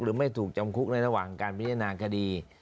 ไม่ถูกจำคุกในระหว่างการพิจารณาคดี